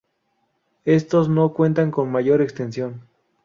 Estos no cuentan con mayor extensión.